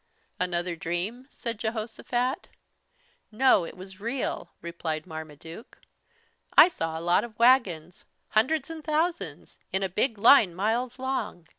"Another dream?" said Jehosophat. "No, it was real," replied Marmaduke. "I saw a lot of wagons, hundreds 'n thousands, in a big line miles long.